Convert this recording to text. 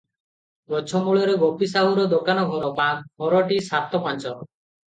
ଗଛମୂଳରେ ଗୋପୀସାହୁର ଦୋକାନ ଘର, ଘରଟି ସାତପାଞ୍ଚ ।